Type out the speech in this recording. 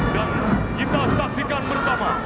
dan kita saksikan bersama